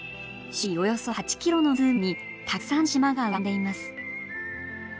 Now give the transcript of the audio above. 周囲およそ８キロの湖にたくさんの島が浮かんでいます。